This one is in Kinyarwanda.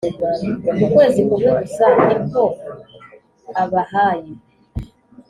ukwezi kumwe gusa niko abahaye